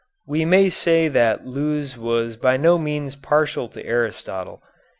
We may say that Lewes was by no means partial to Aristotle.